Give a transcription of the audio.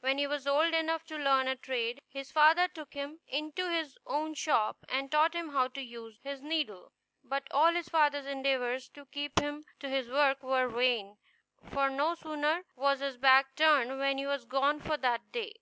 When he was old enough to learn a trade, his father took him into his own shop, and taught him how to use his needle; but all his father's endeavors to keep him to his work were vain, for no sooner was his back turned than he was gone for that day.